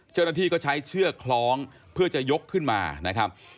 เจ้าหน้าที่ก็ใช้เชือกคล้องเพื่อจะยกขึ้นมานะครับ